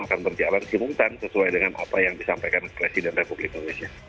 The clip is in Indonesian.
akan berjalan simultan sesuai dengan apa yang disampaikan presiden republik indonesia